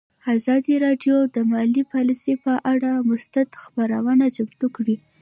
ازادي راډیو د مالي پالیسي پر اړه مستند خپرونه چمتو کړې.